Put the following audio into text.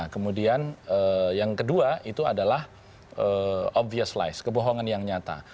kemudian yang kedua itu adalah obvious lies kebohongan yang nyata